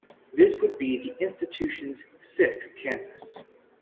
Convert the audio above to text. This would be the institution's fifth campus.